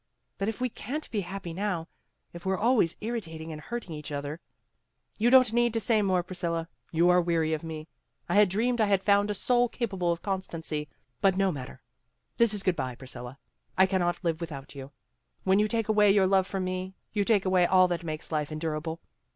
But if we can't be happy now, if we're always irritating and hurting each other " "You don't need to say more, Priscilla. You are weary of me. I had dreamed I had AT THE FOOT BALL GAME 211 found a soul capable of constancy but no matter. This is good by, Priscilla. I cannot live without you. When you take away your love from me, you take away all that makes life endurable.